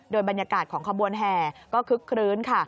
โดยบรรยากาศของขบวนแห่ก็คึกคลื้นค่ะ